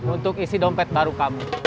untuk isi dompet baru kamu